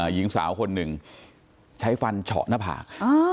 หญิงสาวคนหนึ่งใช้ฟันเฉาะหน้าผาก